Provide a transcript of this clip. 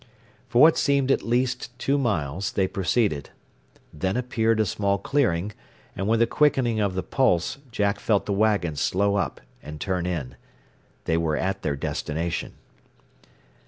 For what seemed at least two miles they proceeded. Then appeared a small clearing, and with a quickening of the pulse Jack felt the wagon slow up and turn in. They were at their destination.